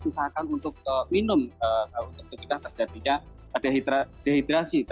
usahakan untuk minum untuk mencegah terjadinya dehidrasi